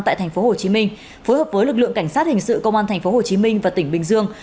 tại tp hồ chí minh phối hợp với lực lượng cảnh sát hình sự công an tp hồ chí minh và tỉnh bình dương